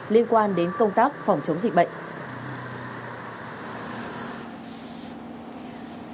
liên quan đến công tác phòng chống dịch bệnh